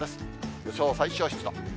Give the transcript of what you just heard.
予想最小湿度。